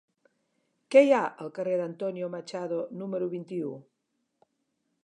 Què hi ha al carrer d'Antonio Machado número vint-i-u?